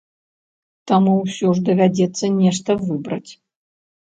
Таму ўсё ж давядзецца нешта выбраць.